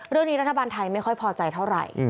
เรื่องนี้รัฐบาลไทยไม่ค่อยพอใจเท่าไหร่